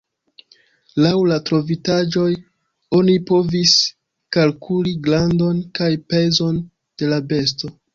Laŭ la trovitaĵoj oni povis kalkuli grandon kaj pezon de la besto.